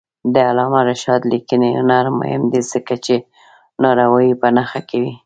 د علامه رشاد لیکنی هنر مهم دی ځکه چې ناروايي په نښه کوي.